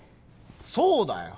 そうだよ。